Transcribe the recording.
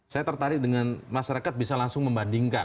saya tertarik dengan masyarakat bisa langsung membandingkan